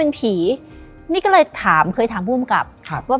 และยินดีต้อนรับทุกท่านเข้าสู่เดือนพฤษภาคมครับ